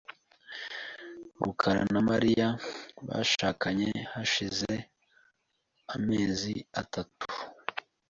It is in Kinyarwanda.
rukara na Mariya bashakanye hashize amezi atatu .